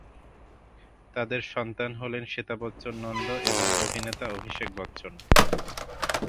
তাদের সন্তান হলেন শ্বেতা বচ্চন নন্দ এবং অভিনেতা অভিষেক বচ্চন।